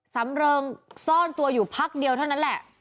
สำเริงซ่อนตัวอยู่พักเดียวเท่านั้นแหละ